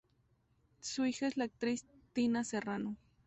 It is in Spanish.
Su hija es la actriz Tina Serrano.